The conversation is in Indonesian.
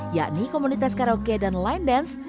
yakni komunitas karaoke dan line dance